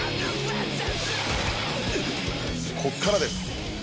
こっからです